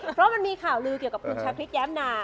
เพราะมีข่าวลือเกี่ยวกับผู้ชายพริกแย้ปนา